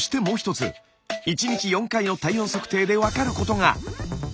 もう一つ１日４回の体温測定で分かることが！